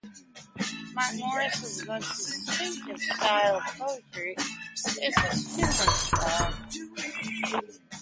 His most distinctive style of poetry is his humorist style.